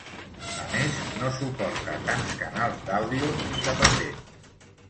A més, no suporta tants canals d'àudio independents.